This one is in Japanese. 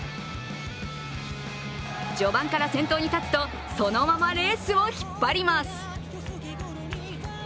序盤から先頭に立つとそのままレースを引っ張ります。